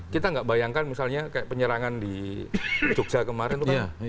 kita nggak bayangkan misalnya penyerangan di jogja kemarin